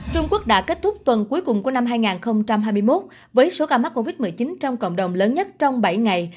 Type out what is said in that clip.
trung quốc đã kết thúc tuần cuối cùng của năm hai nghìn hai mươi một với số ca mắc covid một mươi chín trong cộng đồng lớn nhất trong bảy ngày